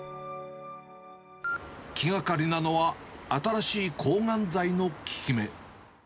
気がかりなのは、新しい抗がん剤の効き目。